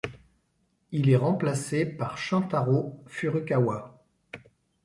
Il est remplacé par Shuntaro Furukawa.